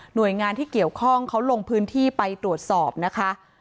โดยงานที่เกี่ยวข้องเขาลงพื้นที่ไปตรวจสอบนะคะ